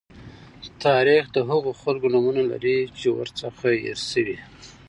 تاریخ د هغو خلکو نومونه لري چې ورڅخه هېر شوي.